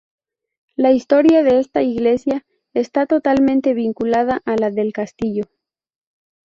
La historia de esta iglesia está totalmente vinculada a la del castillo.